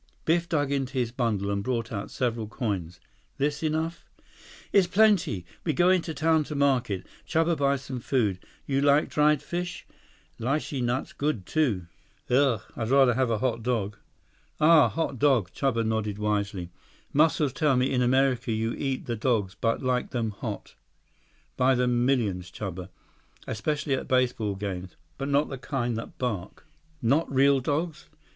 Biff dug into his bundle and brought out several coins. "This enough?" 106 "Is plenty. We go into town to market. Chuba buy some food. You like dried fish? Lichee nuts good, too." "Ugh. I'd rather have a hot dog." "Ah, hot dog?" Chuba nodded wisely. "Muscles tell me in America you eat the dogs but like them hot." "By the millions, Chuba. Especially at baseball games. But not the kind that bark." "Not real dogs?"